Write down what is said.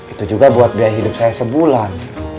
itu juga buat biaya hidup saya sebulan